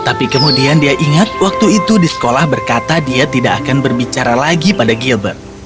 tapi kemudian dia ingat waktu itu di sekolah berkata dia tidak akan berbicara lagi pada gilbert